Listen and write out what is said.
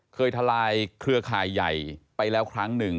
ทลายเครือข่ายใหญ่ไปแล้วครั้งหนึ่ง